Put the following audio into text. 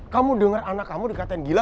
kamu denger anak kamu dikatain gila